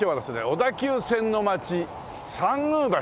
小田急線の町参宮橋。